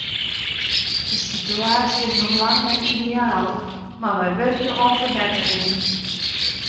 De situaasje is noch lang net ideaal, mar wy wurkje oan ferbettering.